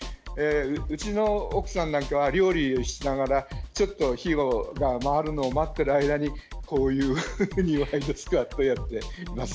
うちの奥さんなんかは料理をしながら火が回るのを待っている間にこういうワイドスクワットをやってます。